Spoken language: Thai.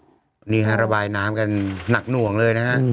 นี่ฮะระบายน้ำกันหนักหน่วงเลยนะฮะ